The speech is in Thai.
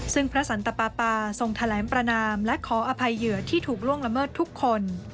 ซึ่งพระสันตปาปาทรงแถลงประนามและขออภัยเหยื่อที่ถูกล่วงละเมิดทุกคน